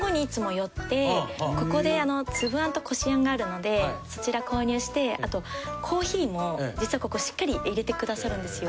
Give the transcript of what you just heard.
ここでつぶあんとこしあんがあるのでそちら購入してあとコーヒーも実はここしっかりいれてくださるんですよ。